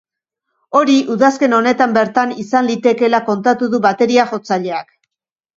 Hori udazken honetan bertan izan litekeela kontatu du bateria-jotzaileak.